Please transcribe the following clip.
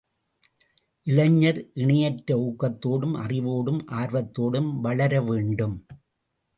இளைஞர் இணையற்ற ஊக்கத்தோடும் அறிவோடும் ஆர்வத்தோடும் வளரவேண்டும்.